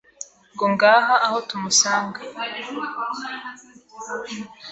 ngo ngaha aho tumusanga